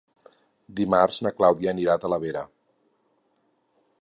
Dimarts na Clàudia anirà a Talavera.